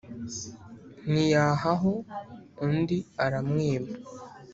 ntiyahaho undi aramwima